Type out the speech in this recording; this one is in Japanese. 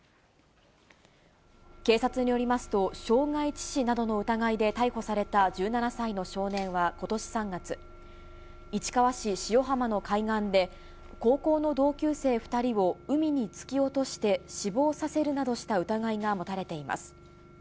警察によりますと、傷害致死などの疑いで逮捕された１７歳の少年はことし３月、市川市塩浜の海岸で、高校の同級生２人を海に突き落として死亡させるなどした疑いが持たれています。